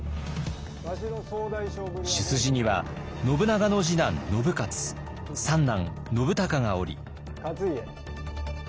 主筋には信長の次男信雄三男信孝がおり。